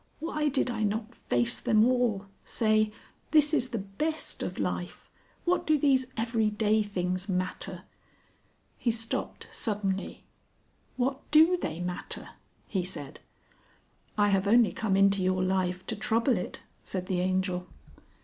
"Why did I not face them all say, 'This is the best of life'? What do these everyday things matter?" He stopped suddenly. "What do they matter?" he said. "I have only come into your life to trouble it," said the Angel.